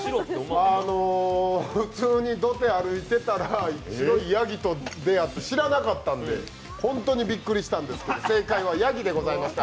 普通に土手歩いてたら、白いヤギと出会って、知らなかったんで、本当にびっくりしたんですけど、正解はヤギでございました。